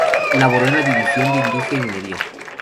Laboró en la división de Industria y Minería.